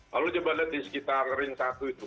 lalu coba lihat di sekitar ring satu itu